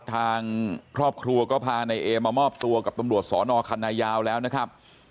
ทางครอบครัวก็พานายเอมามอบตัวกับตำรวจสอนอคันนายาวแล้วนะครับ